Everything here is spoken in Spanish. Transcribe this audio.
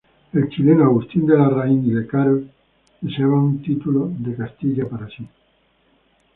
El chileno Agustín de Larraín y Lecaros deseaba un título de Castilla para sí.